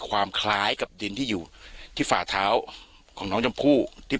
ความคล้ายกับดินที่อยู่ที่ฝ่าเท้าของน้องชมพู่ที่